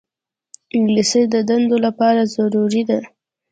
انګلیسي د دندو لپاره ضروري ده